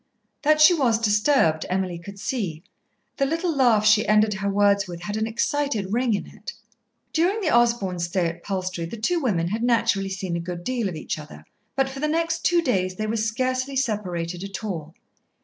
That she was disturbed Emily could see. The little laugh she ended her words with had an excited ring in it. During the Osborns' stay at Palstrey the two women had naturally seen a good deal of each other, but for the next two days they were scarcely separated at all.